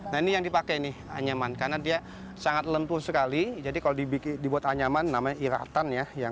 nah ini yang dipakai nih anyaman karena dia sangat lempuh sekali jadi kalau dibuat anyaman namanya iratan ya